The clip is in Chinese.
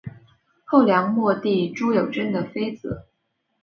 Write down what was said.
后梁末帝朱友贞的妃子。